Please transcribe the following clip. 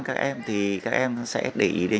các em thì các em sẽ để ý đến